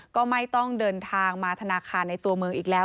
ก็ไม่ต้องเดินทางมาธนาคารในตัวเมืองอีกแล้ว